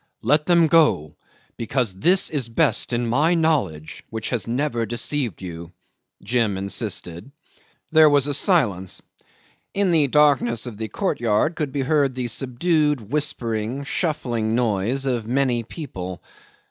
"Let them go because this is best in my knowledge which has never deceived you," Jim insisted. There was a silence. In the darkness of the courtyard could be heard the subdued whispering, shuffling noise of many people.